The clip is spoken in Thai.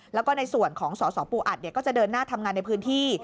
แล้วก็ในส่วนของสสปูอัดก็จะเดินหน้าทำงานในพื้นที่